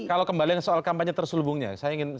kalau kembali soal kampanye terselubungnya saya ingin